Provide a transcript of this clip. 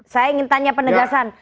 saya ingin tanya penegasan